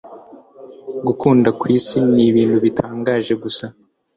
Gukunda kwisi ni ibintu bitangaje gusa